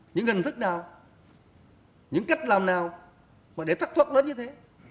những hình thức nào những cách làm nào mà để thất thoát lớn như thế